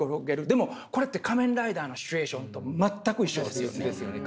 でもこれって「仮面ライダー」のシチュエーションと全く一緒ですよね。